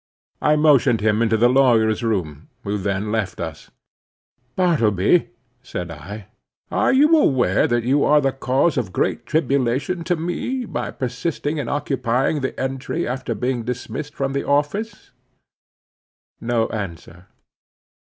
I motioned him into the lawyer's room, who then left us. "Bartleby," said I, "are you aware that you are the cause of great tribulation to me, by persisting in occupying the entry after being dismissed from the office?" No answer.